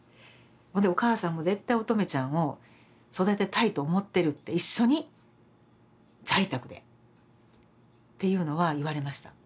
ほんでお母さんも絶対音十愛ちゃんを育てたいと思ってるって一緒に在宅でっていうのは言われました。